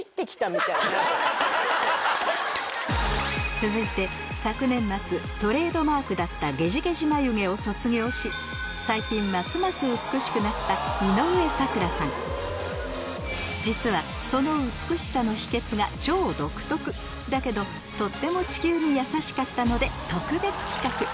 続いて昨年末トレードマークだった最近ますます実はその美しさの秘訣が超独特だけどとっても地球に優しかったので特別企画